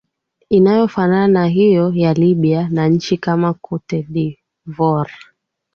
inayofanana na hiyo ya libya na nchi kama cote de voire